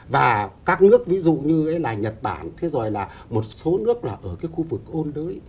và các nước ví dụ như là nhật bản thế rồi là một số nước là ở cái khu vực ôn đới